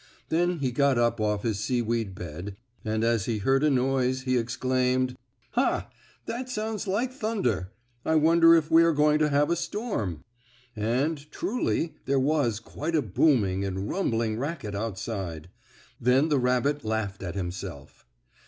Then he got up off his seaweed bed and as he heard a noise he exclaimed: "Ha! That sounds like thunder. I wonder if we are going to have a storm?" And, truly, there was quite a booming and rumbling racket outside. Then the rabbit laughed at himself.